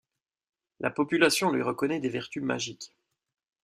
La population lui reconnaît des vertus magiques.